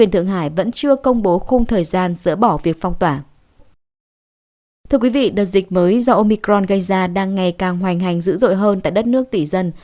thưa quý vị đợt dịch mới do omicron gây ra đang ngày càng hoành hành dữ dội hơn tại đất nước tỷ dân